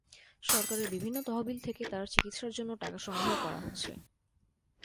সরকারের বিভিন্ন তহবিল থেকে তার চিকিৎসার জন্য টাকা সংগ্রহ করা হচ্ছে।